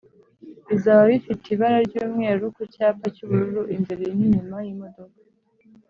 Bizaba bifite ibara ry’ umweru ku cyapa cy’ubururu imbere n’inyuma h’imodoka